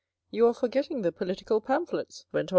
" You are forgetting the political pamphlets," went on M.